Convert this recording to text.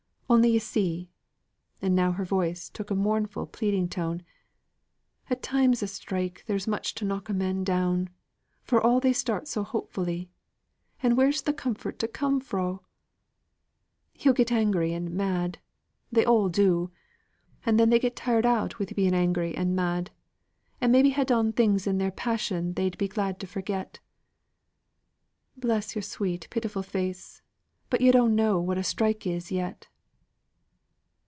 Only yo' see," and now her voice took a mournful, pleading tone, "at times o' strike there's much to knock a man down, for all they start so hopefully; and where's the comfort to come fro'? He'll get angry and mad they all do and then they get tired out wi' being angry and mad, and maybe ha' done things in their passion they'd be glad to forget. Bless yo'r sweet pitiful face! but yo' dunnot know what a strike is yet."